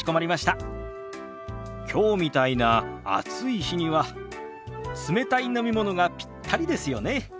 きょうみたいな暑い日には冷たい飲み物がピッタリですよね。